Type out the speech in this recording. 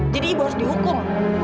jadi ibu harus dihukum